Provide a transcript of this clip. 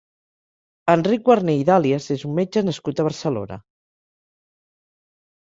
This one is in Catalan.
Enric Guarner i Dalias és un metge nascut a Barcelona.